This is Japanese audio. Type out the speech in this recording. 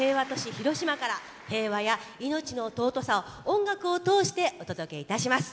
広島から平和やいのちの尊さを音楽を通してお届けいたします。